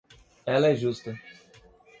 Ela é justa.